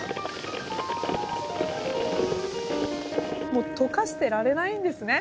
もう解かしてられないんですね。